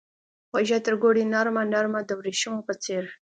خوږه ترګوړې نرمه ، نرمه دوریښمو په څیر